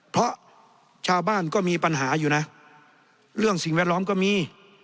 เพราะชาวบ้านก็มีปัญหาอยู่นะเรื่องสิ่งแวดล้อมก็มี